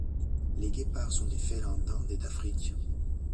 Les guépards sont des félins d'Inde et d'Afrique